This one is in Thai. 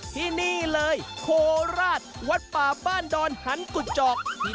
ที่นี่เลยโคราชวัดป่าบ้านดอนหันกุจอก